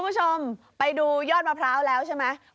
คุณผู้ชมไปดูยอดมะพร้าวแล้วใช่ไหม